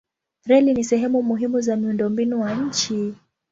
Reli ni sehemu muhimu za miundombinu wa nchi.